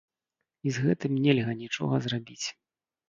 І з гэтым нельга нічога зрабіць.